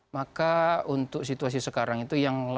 maka untuk situasi sekarang itu yang